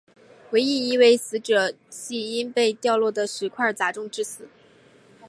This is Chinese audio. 唯一一位死者系因被掉落的石块砸中致死。